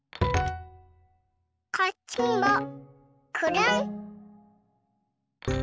こっちもくるん。